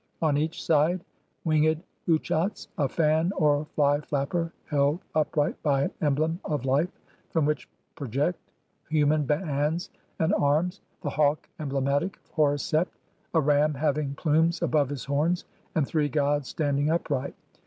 On each side winged utchats , a fan or fly flapper held upright by an emblem of life from which project human hands and arms, the hawk emblematic of Horus Sept, a ram having plumes above his horns, and three gods standing upright.